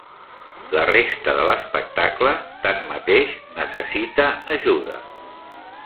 La resta de l'espectacle, tanmateix, necessita ajuda.